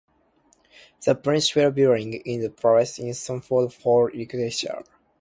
The principal building in the parish is Stanford Hall, Leicestershire.